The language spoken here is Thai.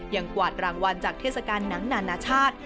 กวาดรางวัลจากเทศกาลหนังนานาชาติ